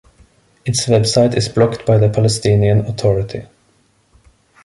Its website is blocked by the Palestinian Authority.